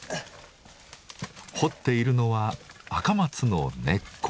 掘っているのは赤松の根っこ。